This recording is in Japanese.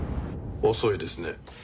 遅いですね。